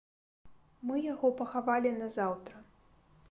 Мы яго пахавалі назаўтра.